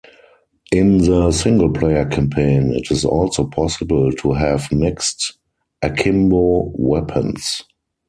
In the single player campaign, it is also possible to have mixed akimbo weapons.